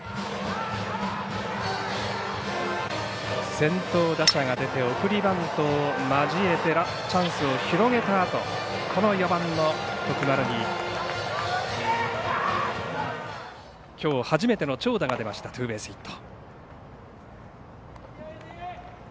先頭打者が出て送りバントを交えてチャンスを広げたあとこの４番の徳丸にきょう初めての長打が出ましたツーベースヒット。